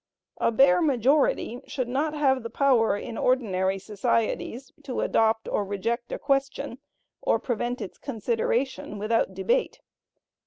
A bare majority should not have the power, in ordinary societies, to adopt or reject a question, or prevent its consideration, without debate.